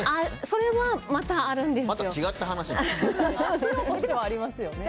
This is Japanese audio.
それはまたあるんですよ。